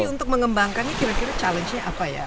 tapi untuk mengembangkannya kira kira tantangannya apa ya